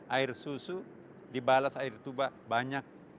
air susu dibalas air tuba banyak